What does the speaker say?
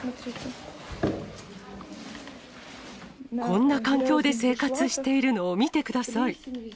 こんな環境で生活しているのを見てください。